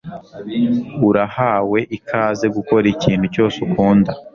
Urahawe ikaze gukora ikintu cyose ukunda